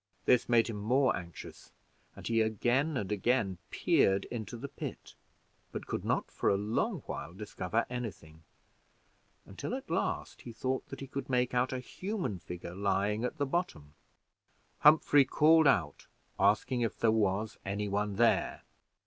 This made him more anxious, and he again and again peered into the pit, but could not for a long while discover any thing, until at last he thought that he could make out a human figure lying at the bottom. Humphrey called out, asking if there was any one there.